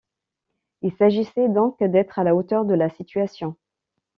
Il s’agissait donc d’être à la hauteur de la situation.